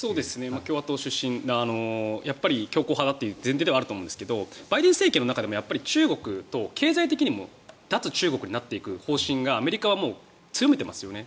共和党出身で強硬派だという前提はあると思うんですがバイデン政権の中でも中国と経済的にも脱中国になっていく方針がアメリカは強めていますよね。